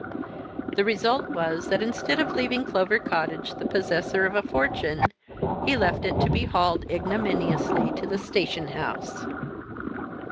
"The result was that instead of leaving Clover Cottage the possessor of a fortune, he left it to be hauled ignominiously to the stationhouse."